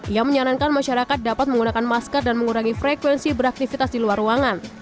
ia menyarankan masyarakat dapat menggunakan masker dan mengurangi frekuensi beraktivitas di luar ruangan